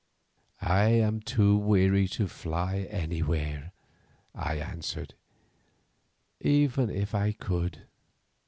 "I am too weary to fly anywhere," I answered, "even if I could.